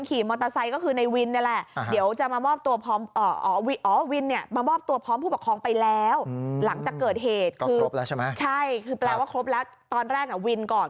ก็ครบแล้วใช่ไหมใช่คือแปลว่าครบแล้วตอนแรกวินก่อน